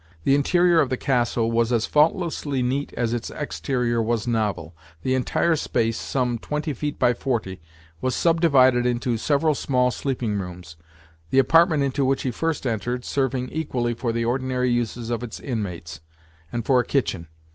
The interior of the "castle" was as faultlessly neat as its exterior was novel. The entire space, some twenty feet by forty, was subdivided into several small sleeping rooms; the apartment into which he first entered, serving equally for the ordinary uses of its inmates, and for a kitchen.